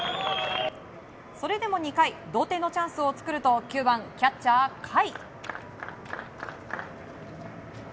それでも２回同点のチャンスを作ると９番キャッチャー、甲斐。